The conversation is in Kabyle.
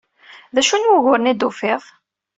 D acu n wuguren ay d-tufid?